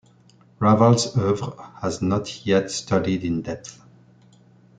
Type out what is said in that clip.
Raval's oeuvre has not yet studied in depth.